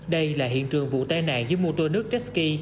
đây là hiện trường vụ tai nạn giữa mô tô nước tresky